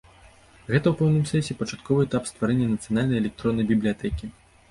Гэта ў пэўным сэнсе пачатковы этап стварэння нацыянальнай электроннай бібліятэкі.